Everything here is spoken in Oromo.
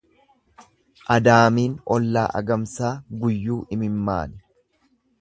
Adaamiin ollaa hagamsaa guyyuu imimmaani.